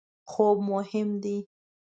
خوب مهم دی